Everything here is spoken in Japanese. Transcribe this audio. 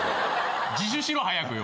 自首しろ早くよ。